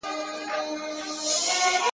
هسي نه دا ارمان یوسم زه تر ګوره قاسم یاره،